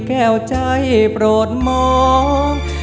แก้วใจโปรดมอง